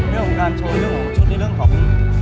ตรงการโชว์ชุดในเรื่องของ